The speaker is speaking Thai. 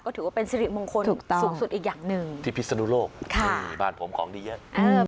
ถือว่าเป็นสิริมงคลสูงสุดอีกอย่างหนึ่งที่พิศนุโลกบ้านผมของดีเยอะ